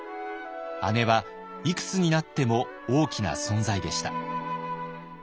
姉はいくつになっても大きな存在でした。